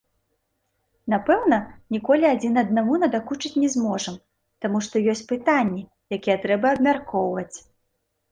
Напэўна, ніколі адзін аднаму надакучыць не зможам, таму што ёсць пытанні, якія трэба абмяркоўваць.